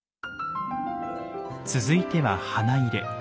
続いては花入。